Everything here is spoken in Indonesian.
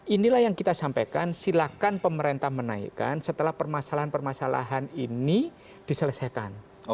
inilah yang kita sampaikan silakan pemerintah menaikkan setelah permasalahan permasalahan ini diselesaikan